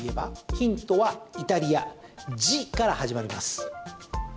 ヒントはイタリア「ジ」から始まります。